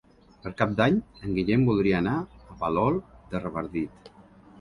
Per Cap d'Any en Guillem voldria anar a Palol de Revardit.